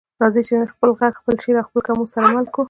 راځئ چې خپل غږ، خپل شعر او خپل کمپوز سره مل کړو.